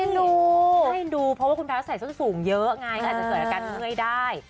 น่าเอ็นดูเพราะว่าคุณแพทย์ใส่ส้นสูงเยอะไงก็อาจจะเกิดอาการเมื่อยได้